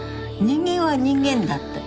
人間は人間だって。